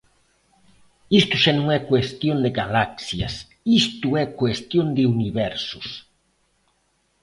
¡Isto xa non é cuestión de galaxias, isto é cuestión de universos!